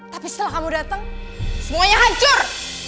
tapi setelah kamu datang semuanya hancur